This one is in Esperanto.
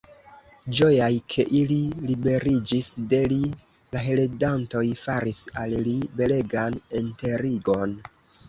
Ĝojaj, ke ili liberiĝis de li, la heredantoj faris al li belegan enterigon.